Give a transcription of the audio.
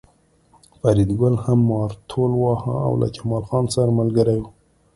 فریدګل هم مارتول واهه او له جمال خان سره ملګری و